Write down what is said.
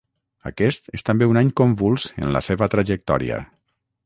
Aquest és també un any convuls en la seva trajectòria.